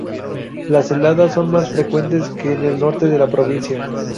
Las heladas son más frecuentes que en el norte de la provincia.